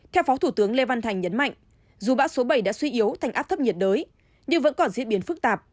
theo phó thủ tướng lê văn thành nhấn mạnh dù bão số bảy đã suy yếu thành áp thấp nhiệt đới nhưng vẫn còn diễn biến phức tạp